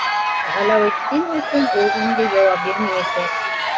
Ғәләүетдин өсөн ул инде яуап бирмәйәсәк.